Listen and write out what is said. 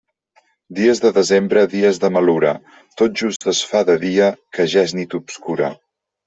Dies de desembre, dies de malura, tot just es fa de dia que ja és nit obscura.